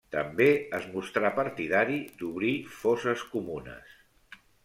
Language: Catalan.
També es mostrà partidari d'obrir fosses comunes.